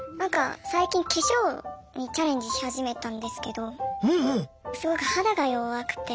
最近化粧にチャレンジし始めたんですけどすごく肌が弱くて。